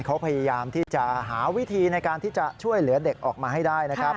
เขาพยายามที่จะหาวิธีในการที่จะช่วยเหลือเด็กออกมาให้ได้นะครับ